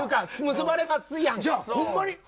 結ばれますやん、それ。